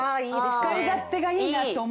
使い勝手がいいと思った。